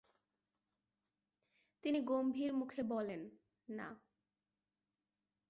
তিনি গম্ভীর মুখে বলেন, না।